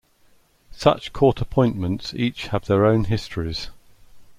Such court appointments each have their own histories.